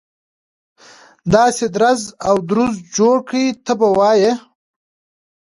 داسې درز او دروز جوړ کړي ته به وایي.